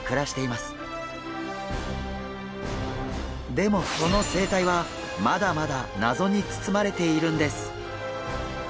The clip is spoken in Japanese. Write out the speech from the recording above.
でもその生態はまだまだ謎に包まれているんです。